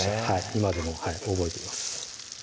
今でも覚えています